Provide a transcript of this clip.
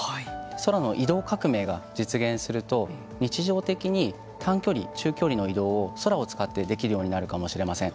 空の移動革命が実現すると日常的に短距離、中距離の移動を空を使ってできるようになるかもしれません。